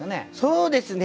そうですね